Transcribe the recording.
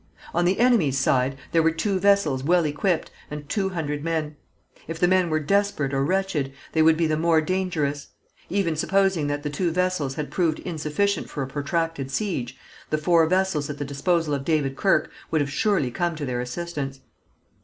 On the enemy's side there were two vessels well equipped, and two hundred men. If the men were desperate or wretched, they would be the more dangerous. Even supposing that the two vessels had proved insufficient for a protracted siege, the four vessels at the disposal of David Kirke would have surely come to their assistance.